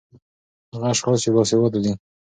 ـ هغه اشخاص چې باسېواده دي